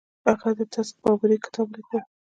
هغه د تزک بابري کتاب ولیکه.